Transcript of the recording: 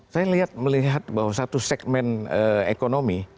saya melihat bahwa satu segmen ekonomi